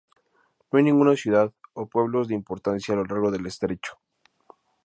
No hay ninguna ciudad o pueblos de importancia a lo largo del estrecho.